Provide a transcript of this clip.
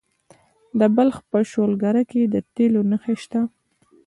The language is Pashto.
د بلخ په شولګره کې د تیلو نښې شته.